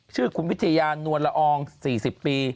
ชื่อคุณวิทยานวลละออง๔๐ปี